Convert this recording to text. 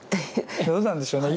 どうなんでしょうね。